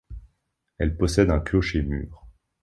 Elle possède un clocher-mur.